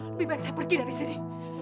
lebih baik saya pergi dari sini